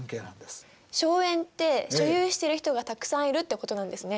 荘園って所有してる人がたくさんいるってことなんですね。